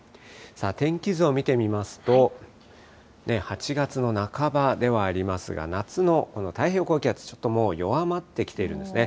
天気図を見てみますと、８月の半ばではありますが、夏の太平洋高気圧、ちょっともう弱まってきているんですね。